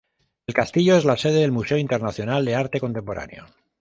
El castillo es la sede del Museo Internacional de Arte Contemporáneo.